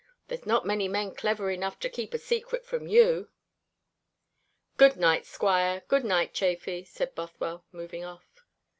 There's not many men clever enough to keep a secret from you." "Good night, squire; good night, Chafy," said Bothwell, moving off.